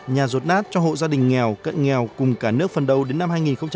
nhà rột nát cho hộ gia đình nghèo cận nghèo cùng cả nước phần đầu đến năm hai nghìn hai mươi